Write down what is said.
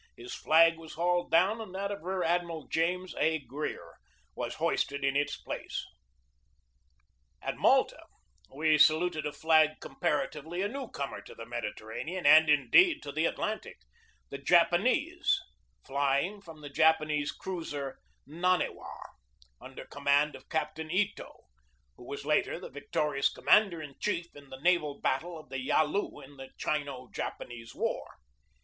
His flag was hauled down and that of Rear Admiral James A. Greer was hoisted in its place. At Malta we saluted a flag comparatively a new comer to the Mediterranean, and, indeed, to the Atlantic the Japanese, flying from the Japanese cruiser Naniwa, under command of Captain I to, who was later the victorious commander in chief in the naval battle of the Yalu in the Chino Japanese War.